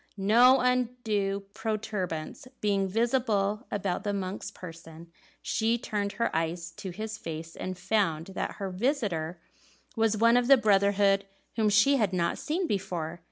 No undue protuberance being visible about the monk's person, she turned her eyes to his face, and found that her visitor was one of the brotherhood whom she had not seen before.